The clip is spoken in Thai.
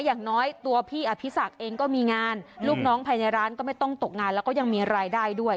อย่างน้อยตัวพี่อภิษักเองก็มีงานลูกน้องภายในร้านก็ไม่ต้องตกงานแล้วก็ยังมีรายได้ด้วย